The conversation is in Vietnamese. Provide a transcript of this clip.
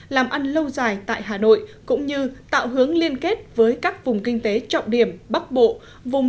làm ăn lâu dài tại hà nội cũng như tạo hướng liên kết với các vùng kinh tế trọng điểm bắc bộ